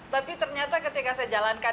tapi ternyata ketika saya jalankan